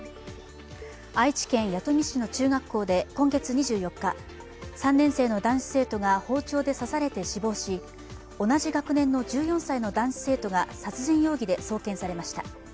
愛知県弥富市の中学校で今月２４日３年生の男子生徒が包丁で刺されて死亡し同じ学年の１４歳の男子生徒が殺人容疑で送検されました。